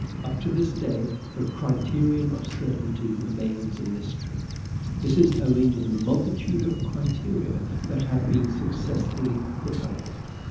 Up to this day, the criterion of certainty remains a mystery; this is owing to the multitude of criteria that have been successively proposed.